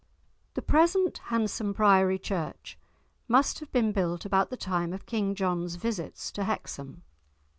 The present handsome priory church must have been built about the time of King John's visits to Hexham.